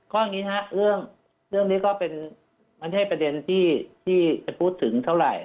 อย่างนี้ครับเรื่องนี้ก็เป็นไม่ใช่ประเด็นที่จะพูดถึงเท่าไหร่